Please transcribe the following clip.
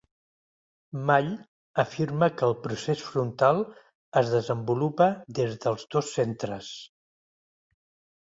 Mall afirma que el procés frontal es desenvolupa des dels dos centres.